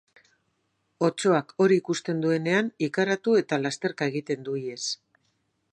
Otsoak hori ikusten duenean, ikaratu eta lasterka egiten du ihes.